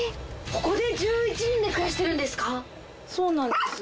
ここで１１人で暮らしてるんですか？